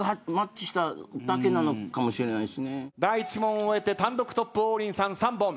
第１問終えて単独トップ王林さん３本。